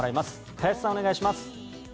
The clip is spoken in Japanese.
林さん、お願いします。